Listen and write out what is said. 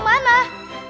kamu mau kemana